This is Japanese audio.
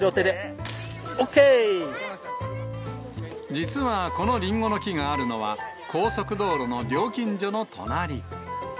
実はこのリンゴの木があるのは、高速道路の料金所の隣。